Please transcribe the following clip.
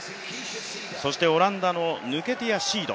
そしてオランダのヌケティア・シード。